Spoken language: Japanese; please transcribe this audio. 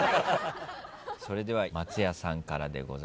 それでは松也さんからでございます。